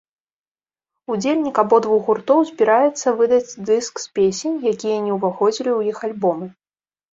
Удзельнік абодвух гуртоў збіраецца выдаць дыск з песень, якія не ўваходзілі ў іх альбомы.